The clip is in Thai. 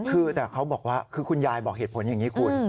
คือแต่เขาบอกว่าคือคุณยายบอกเหตุผลอย่างนี้คุณ